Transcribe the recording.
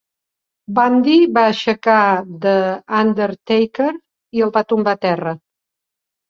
Bundy va aixecar The Undertaker i el va tombar a terra.